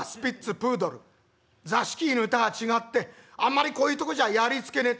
プードル座敷犬とは違ってあんまりこういうとこじゃやりつけねえ』って」。